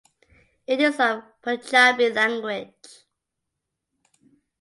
It is of Punjabi language.